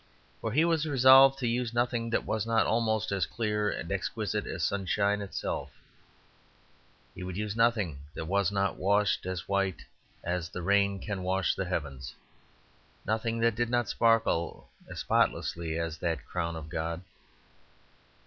For he was resolved to use nothing that was not almost as clear and exquisite as sunshine itself; he would use nothing that was not washed as white as the rain can wash the heavens, nothing that did not sparkle as spotlessly as that crown of God.